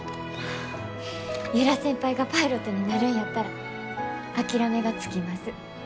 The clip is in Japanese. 由良先輩がパイロットになるんやったら諦めがつきます。